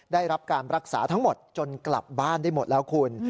ได้รับการรักษาทั้งหมดจนกลับบ้านได้หมดแล้วคุณ